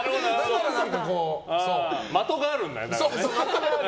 的があるんだね。